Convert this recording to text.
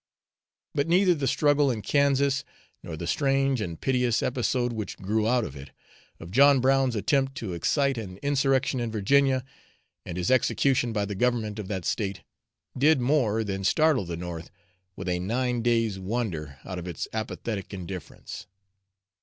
But neither the struggle in Kansas, nor the strange and piteous episode which grew out of it, of John Brown's attempt to excite an insurrection in Virginia, and his execution by the government of that State, did more than startle the North with a nine days' wonder out of its apathetic indifference.